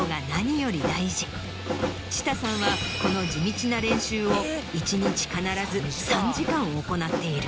ＣＨＩＴＡＡさんはこの地道な練習を１日必ず３時間行っている。